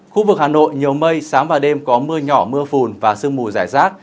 khu vực hà nội nhiều mây sáng và đêm có mưa nhỏ mưa phùn và sương mùi rải rát